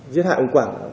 giết hại ông quảng